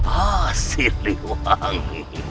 ah silih wangi